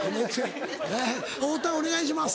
太田お願いします。